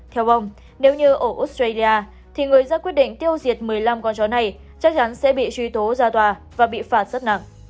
theo ông nếu như ở australia thì người ra quyết định tiêu diệt một mươi năm con chó này chắc chắn sẽ bị truy tố ra tòa và bị phạt rất nặng